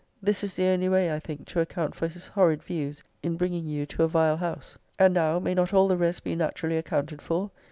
This is the only way, I think, to account for his horrid views in bringing you to a vile house. And now may not all the rest be naturally accounted for?